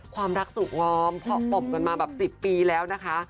ความรักสุขง้อมเพาะปมกันมาแบบ๑๐ปีแล้วนะคะ